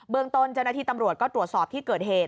เมืองต้นเจ้าหน้าที่ตำรวจก็ตรวจสอบที่เกิดเหตุ